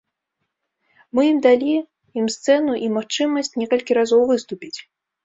Мы ім далі ім сцэну і магчымасць некалькі разоў выступіць.